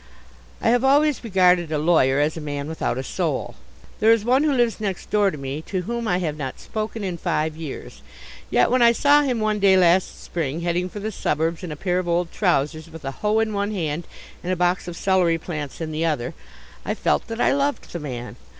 I have always regarded a lawyer as a man without a soul. There is one who lives next door to me to whom I have not spoken in five years. Yet when I saw him one day last spring heading for the suburbs in a pair of old trousers with a hoe in one hand and a box of celery plants in the other I felt that I loved the man.